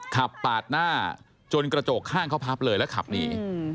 ขับปาดหน้าจนกระจกข้างเขาพับเลยแล้วขับหนี